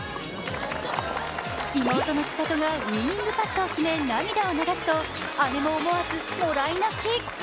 妹の千怜がウィニングパットを決め涙を流すと姉も思わずもらい泣き。